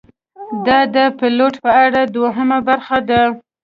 دا ده د پیلوټ په اړه دوهمه برخه: